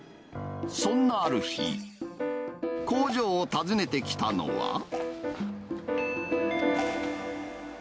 そんなある日、工場を訪ねてきたのは。